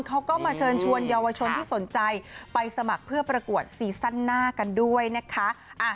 เขาก็มาเชิญชวนเยาวชนที่สนใจไปสมัครเพื่อประกวดซีซั่นหน้ากันด้วยนะคะ